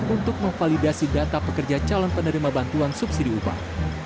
untuk memvalidasi data pekerja calon penerima bantuan subsidi upah